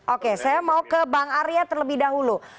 oke saya mau ke bang arya terlebih dahulu